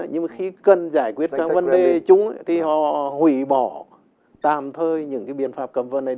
nhưng mà khi cần giải quyết các vấn đề chúng thì họ hủy bỏ tạm thời những cái biện pháp cấm vận này